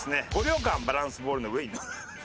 秒間バランスボールの上に。